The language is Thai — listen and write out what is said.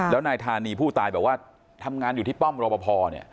แล้วนายธานีผู้ตายบอกว่าทำงานอยู่ที่ป้อมรบพอเนี่ย